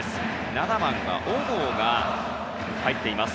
７番は小郷が入っています。